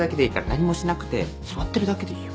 何もしなくて座ってるだけでいいよ。